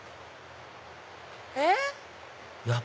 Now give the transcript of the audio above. えっ⁉